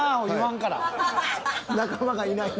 仲間がいない。